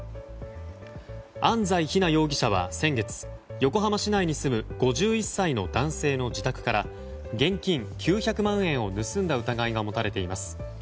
安斉日菜容疑者は先月横浜市内に住む５１歳の男性の自宅から現金９００万円を盗んだ疑いが持たれています。